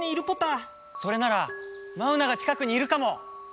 それならマウナが近くにいるかも！